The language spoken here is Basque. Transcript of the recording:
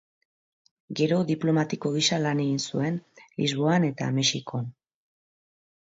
Gero, diplomatiko gisa lan egin zuen Lisboan eta Mexikon.